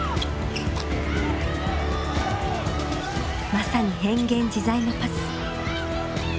まさに変幻自在のパス。